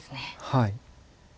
はい。